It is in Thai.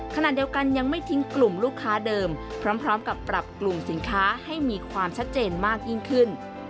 ขณะเดียวกันยังไม่ทิ้งกลุ่มลูกค้าเดิมพร้อมกับปรับกลุ่มสินค้าให้มีความชัดเจนมากยิ่งขึ้น